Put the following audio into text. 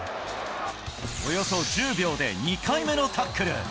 およそ１０秒で２回目のタックル。